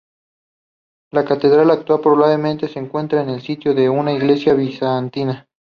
La catedral actual probablemente se encuentra en el sitio de una iglesia bizantina.